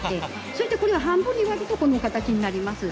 そしてこれを半分に割るとこの形になります。